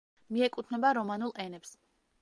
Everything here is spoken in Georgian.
მიეკუთვნება რომანულ ენებს.